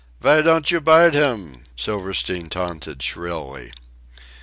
"V'y don't you bite him?" Silverstein taunted shrilly.